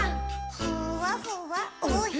「ふわふわおへそ」